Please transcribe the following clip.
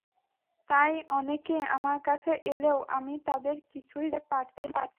তাই অনেকে আমার কাছে এলেও আমি তাঁদের কিছুই জানাতে পারছি না।